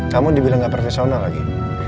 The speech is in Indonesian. kamu dibilang nggak profesional lagi